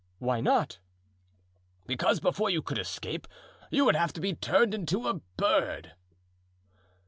"Why not?" "Because before you could escape you would have to be turned into a bird."